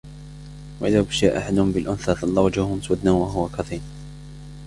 وَإِذَا بُشِّرَ أَحَدُهُمْ بِالْأُنْثَى ظَلَّ وَجْهُهُ مُسْوَدًّا وَهُوَ كَظِيمٌ